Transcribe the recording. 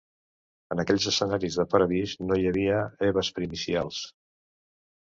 En aquells escenaris de paradís no hi havia Eves primicials